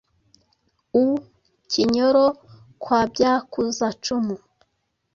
u Kinyoro kwa Byakuzacumu.